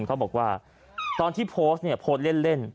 เขาบอกว่าตอนที่โพสต์เนี่ยโพสต์เล่น